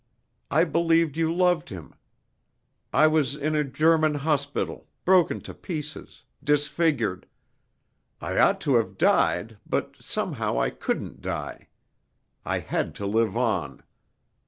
I believed you loved him. I was in a German hospital broken to pieces disfigured. I ought to have died, but somehow I couldn't die. I had to live on.